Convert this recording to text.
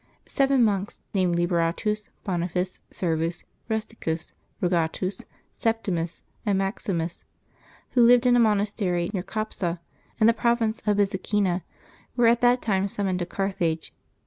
Seven monks, named Liberatus, Boniface, Servus, Rusticus, Rogatus, Septimus, and Maxi mus, who lived in a monastery near Capsa, in the province of Byzacena, were at that time summoned to Carthage.